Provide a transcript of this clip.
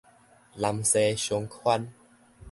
南西商圈